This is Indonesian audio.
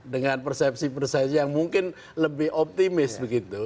dengan persepsi persepsi yang mungkin lebih optimis begitu